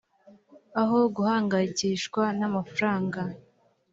aho guhangayikishwa n amafaranga